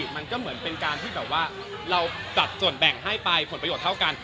มันก็เหมือนเป็นการที่แบบว่าเราจัดส่วนแบ่งให้ไปผลประโยชน์เท่ากัน